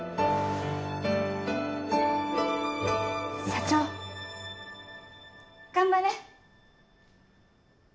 社長頑張れ！